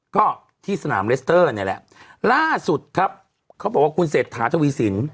ก็ที่สนามเลสเตอร์เนี่ยแหละล่าสุดครับเขาบอกว่าคุณเศรษฐาทวีสิน